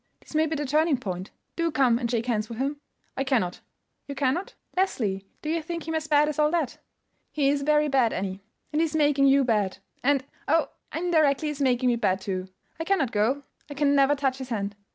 This may be the turning point. Do come and shake hands with him." "I cannot." "You cannot? Leslie, do you think him as bad as all that?" "He is very bad, Annie, and he is making you bad—and, oh, indirectly he is making me bad too. I cannot go; I can never touch his hand."